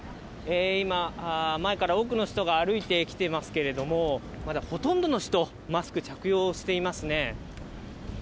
今、前から多くの人が歩いてきていますけれども、まだほとんどの人、マスク着用していますね。